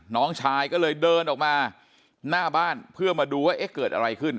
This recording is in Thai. น้องชายก็เลยเดินออกมาหน้าบ้านเพื่อมาดูว่าเอ๊ะเกิดอะไรขึ้น